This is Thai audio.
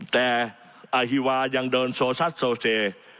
แต่อาฮิวายังเดินโซซัสโซเซ